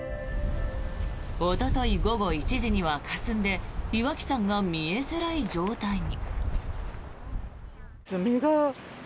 おととい午後１時にはかすんで岩木山が見えづらい状態に。